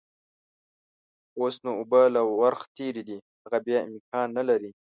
اوس نو اوبه له ورخ تېرې دي، هغه بيا امکان نلري.